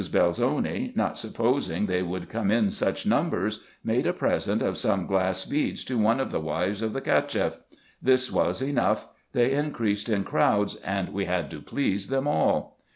Belzoni, not supposing they would come in such numbers, made a present of some glass beads to one of the wives of the Cacheff. This was enough : they increased in crowds, and we had to please them all.